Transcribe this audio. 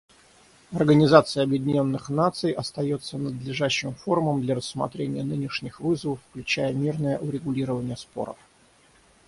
Организация Объединенных Наций остается надлежащим форумом для рассмотрения нынешних вызовов, включая мирное урегулирование споров.